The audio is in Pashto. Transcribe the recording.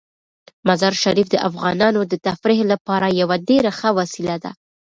مزارشریف د افغانانو د تفریح لپاره یوه ډیره ښه وسیله ده.